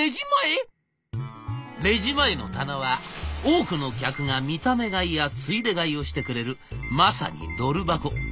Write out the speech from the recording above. レジ前の棚は多くの客が見た目買いやついで買いをしてくれるまさにドル箱。